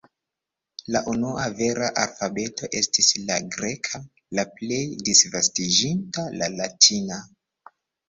La unua vera alfabeto estis la greka, la plej disvastiĝinta la latina.